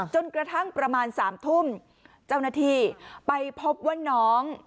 จนกระทั่งประมาณ๓ทุ่มเจ้าหน้าที่ไปพบว่าน้อง